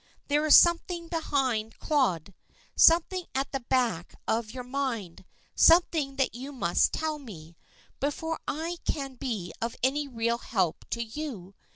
There is something behind, Claude something at the back of your mind. Something that you must tell me, before I can be of any real help to you.